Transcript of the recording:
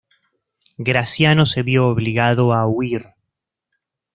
Graciano se vio obligado a huir.